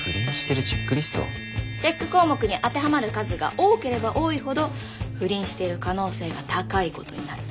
チェック項目に当てはまる数が多ければ多いほど不倫してる可能性が高いことになる。